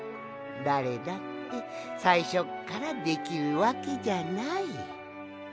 だれだってさいしょっからできるわけじゃない。